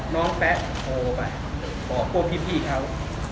แป๊ะโทรไปบอกพวกพี่เขา